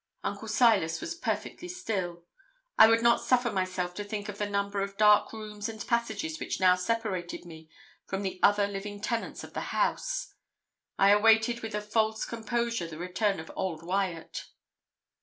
Uncle Silas was perfectly still. I would not suffer myself to think of the number of dark rooms and passages which now separated me from the other living tenants of the house. I awaited with a false composure the return of old Wyat.